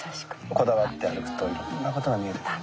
こだわって歩くといろんな事が見えてくる。